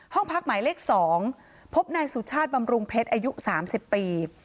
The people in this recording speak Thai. ห้องพักหมายเลข๒พบนายสุชาติบำรุงเพชรอายุ๓๐ปี